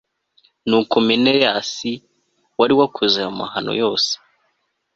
nuko menelasi wari wakoze ayo mahano yose